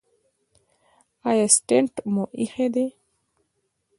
ایا سټنټ مو ایښی دی؟